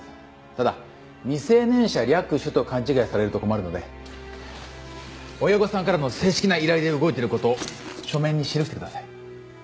ただ未成年者略取と勘違いされると困るので親御さんからの正式な依頼で動いている事を書面に記してください。